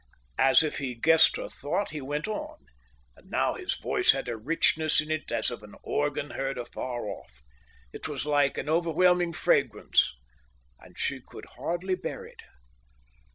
As if he guessed her thought, he went on, and now his voice had a richness in it as of an organ heard afar off. It was like an overwhelming fragrance and she could hardly bear it.